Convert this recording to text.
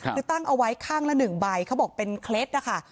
คือตั้งเอาไว้ข้างละ๑ใบเขาบอกเป็นเคล็ดนะคะ